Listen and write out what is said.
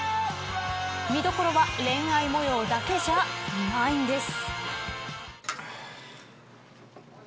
見どころは恋愛模様だけじゃないんです。